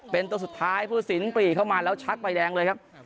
เป็นตัวสุดท้ายผู้สินปรีเข้ามาแล้วชักใบแดงเลยครับ